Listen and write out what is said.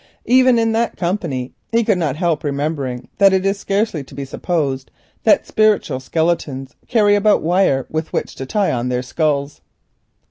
Even in that company he could not help remembering that it is scarcely to be supposed that spiritual skeletons carry about wire with which to tie on their skulls.